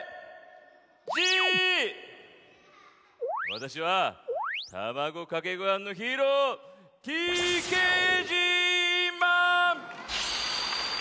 わたしはたまごかけごはんのヒーローＴＫＧマン！